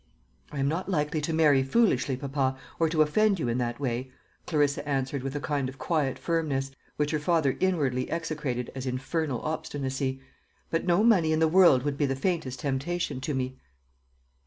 "I am not likely to marry foolishly, papa, or to offend you in that way," Clarissa answered with a kind of quiet firmness, which her father inwardly execrated as "infernal obstinacy;" "but no money in the world would be the faintest temptation to me."